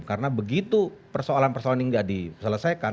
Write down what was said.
karena begitu persoalan persoalan ini tidak diselesaikan